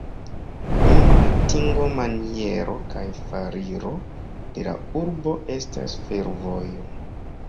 Unu atingo-maniero kaj foriro de la urbo estas fervojo.